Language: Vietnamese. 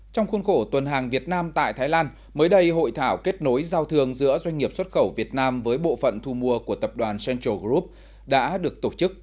trong khuôn khổ tuần hàng việt nam tại thái lan mới đây hội thảo kết nối giao thương giữa doanh nghiệp xuất khẩu việt nam với bộ phận thu mua của tập đoàn central group đã được tổ chức